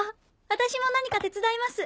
私も何か手伝います。